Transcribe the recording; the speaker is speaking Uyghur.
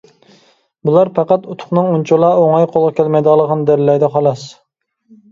بۇلار پەقەت ئۇتۇقنىڭ ئۇنچىۋالا ئوڭاي قولغا كەلمەيدىغانلىقىنى دەلىللەيدۇ، خالاس.